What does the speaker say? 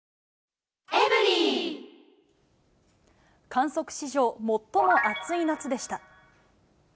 観測史上最も暑い夏でした。